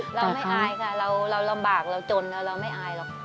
เราไม่อายค่ะเราลำบากเราจนเราไม่อายหรอก